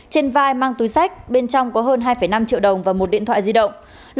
trên vai mang túi sách bên trong có hơn hai năm triệu đồng và một điện thoại di động